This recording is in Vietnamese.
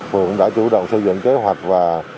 phường đã chủ động xây dựng kế hoạch